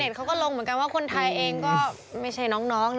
ในอินเตอร์เน็ตเขาก็ลงเหมือนกันว่าคนไทยเองก็ไม่ใช่น้องนะคะ